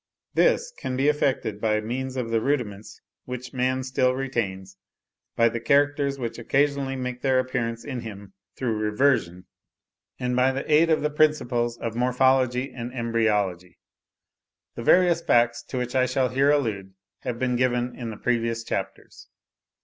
This can be effected by means of the rudiments which man still retains, by the characters which occasionally make their appearance in him through reversion, and by the aid of the principles of morphology and embryology. The various facts, to which I shall here allude, have been given in the previous chapters.